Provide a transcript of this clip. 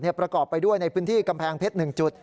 ประกอบไปด้วยในพื้นที่กำแพงเพชร๑จุด